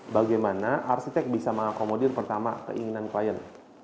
bagaimana arsitek bisa mengakomodir pertama keinginan klien